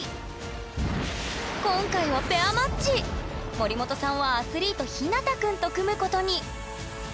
森本さんはアスリートひなたくんと組むことに！